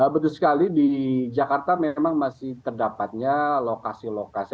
betul sekali di jakarta memang masih terdapatnya lokasi lokasi